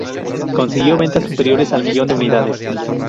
Consiguió ventas superiores al millón de unidades.